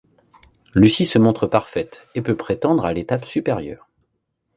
Lucy se montre parfaite et peut prétendre à l'étape supérieure.